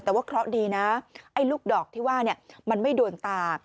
แต่ว่าเคราะห์ดีนะไอ้ลูกดอกที่ว่ามันไม่โดนตา